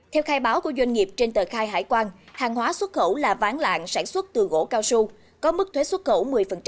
theo khai báo của doanh nghiệp trên tờ khai hải quan hàng hóa xuất khẩu là ván lạng sản xuất từ gỗ cao su có mức thuế xuất khẩu một mươi